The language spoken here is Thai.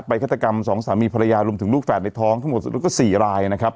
ฆาตกรรมสองสามีภรรยารวมถึงลูกแฝดในท้องทั้งหมดแล้วก็๔รายนะครับ